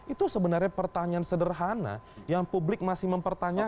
itu sebenarnya pertanyaan sederhana yang publik masih mempertanyakan